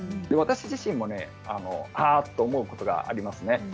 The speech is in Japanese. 私自身もはあ！と思うことがありますね。